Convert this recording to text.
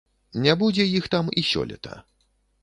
Не будзе іх там і сёлета.